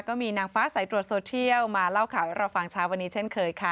ก็มีนางฟ้าสายตรวจโซเทียลมาเล่าข่าวให้เราฟังเช้าวันนี้เช่นเคยค่ะ